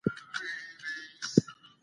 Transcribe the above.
احمدشاه بابا د خلکو غوښتنو ته ارزښت ورکاوه.